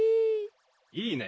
いいね！